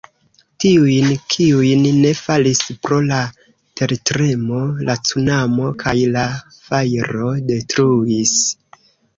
Tiujn, kiuj ne falis pro la tertremo, la cunamo kaj la fajro detruis.